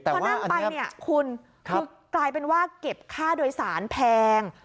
พอนั่งไปคุณกลายเป็นว่าเก็บค่าโดยสารแพง